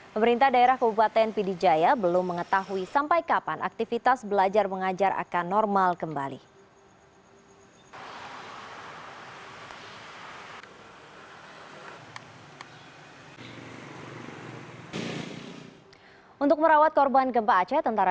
pemerintah daerah kabupaten pidijaya belum mengetahui sampai kapan aktivitas belajar yang tidak hancur